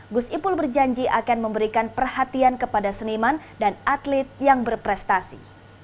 gus ipul berjanji akan memberikan perhatian kepada seniman dan atlet yang berprestasi